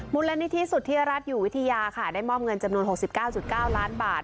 มูลละนิทธิสุทธิรัตน์อยู่วิทยาค่ะได้มอบเงินจำนวนหกสิบเก้าจุดเก้าล้านบาท